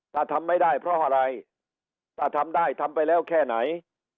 ถ้าทำไม่ได้เพราะอะไรถ้าทำได้ทำไปแล้วแค่ไหน